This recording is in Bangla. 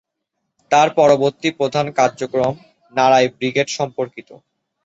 তার পরবর্তী প্রধান কার্যক্রম নায়ার ব্রিগেড সম্পর্কিত।